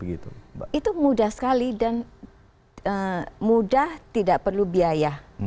itu mudah sekali dan mudah tidak perlu biaya